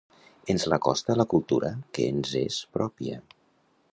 Ens l'acosta a la cultura que ens és pròpia.